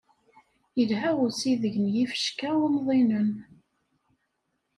Ilha usideg n yifecka umḍinen.